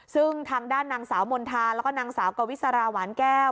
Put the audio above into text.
ซึ่งทางด้านนางสาวมณฑาแล้วก็นางสาวกวิสาราหวานแก้ว